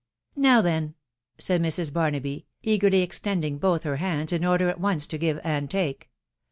" Now, then !".... said Mrs. Barnaby, eagerly extending both her hands, in order at once to give and take.